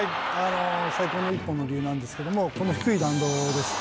最高の一本の理由なんですけれども、この低い弾道です。